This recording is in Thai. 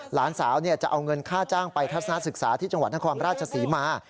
หลานสาวจะเอาเงินค่าจ้างไปทัศนศึกษาที่จังหวัดนครราชศรีมา